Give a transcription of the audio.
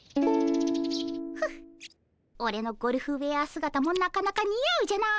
フッオレのゴルフウェア姿もなかなかにあうじゃないかっ。